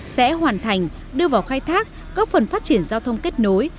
sẽ hoàn thành đưa vào khai thác góp phần phát triển giao thông kết nối